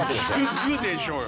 塾でしょうよ。